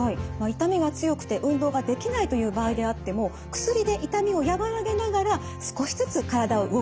痛みが強くて運動ができないという場合であっても薬で痛みを和らげながら少しずつ体を動かすというのがおすすめなんです。